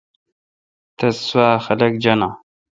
تس سوا خلق جاناں